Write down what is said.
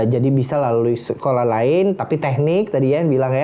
jadi bisa lalui sekolah lain tapi teknik tadi ya yang bilang ya